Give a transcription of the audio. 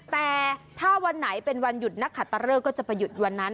แต่ถ้าวันไหนเป็นวันหยุดนักขัดตะเลิกก็จะไปหยุดวันนั้น